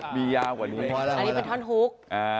ก็พอแล้วอันนี้ก็ทันฮุก